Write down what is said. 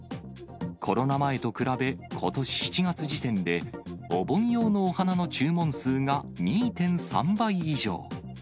コロナ前と比べ、ことし７月時点で、お盆用のお花の注文数が２．３倍以上。